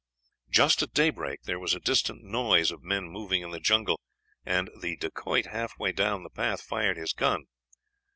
"Just at daybreak there was a distant noise of men moving in the jungle, and the Dacoit halfway down the path fired his gun.